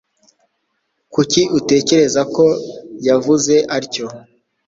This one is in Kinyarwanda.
Kuki utekereza ko yavuze atyo?